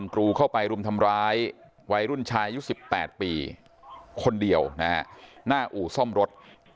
กรูเข้าไปรุมทำร้ายวัยรุ่นชายอายุ๑๘ปีคนเดียวนะฮะหน้าอู่ซ่อมรถ